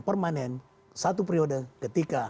permanen satu periode ketika